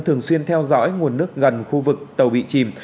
thường xuyên theo dõi nguồn nước gần khu vực tàu bị chìm